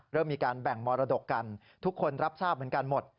เริ่มมีการแบ่งมรดกกันทุกคนรับทราบเหมือนกันหมด